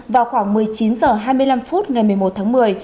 vào khoảng một mươi chín h hai mươi năm phút ngày một mươi một tháng một mươi